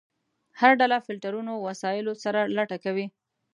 هر ډله فلټرونو وسایلو سره لټه کوي.